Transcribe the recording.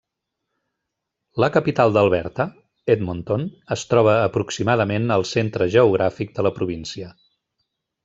La capital d'Alberta, Edmonton, es troba aproximadament al centre geogràfic de la província.